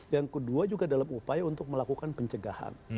yang kedua juga dalam upaya untuk melakukan pencegahan